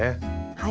はい。